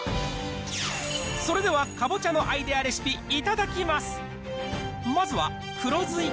それではかぼちゃのアイデアレシピいただきます。